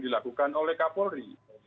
dilakukan oleh k polri